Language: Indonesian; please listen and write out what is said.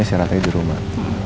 diserat aja di rumah